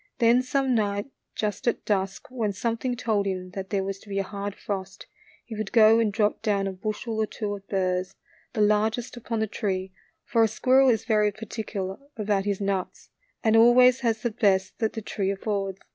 Then some night, just at dusk, when something told him that there was to be a hard frost, he would go and drop down a bushel or two of burrs, the largest upon the tree, for a squirrel is very particular FRISK AND FROLIC. FRISK AND FROLIC. 55 about his nuts, and always has the best that the tree affords.